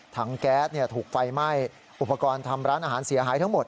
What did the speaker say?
แก๊สถูกไฟไหม้อุปกรณ์ทำร้านอาหารเสียหายทั้งหมด